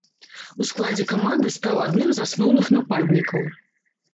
У складзе каманды стаў адным з асноўных нападнікаў.